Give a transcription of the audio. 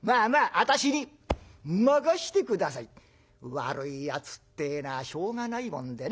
悪いやつってえのはしょうがないもんでね。